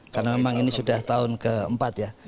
karena memang ini sudah tahun ke empat ya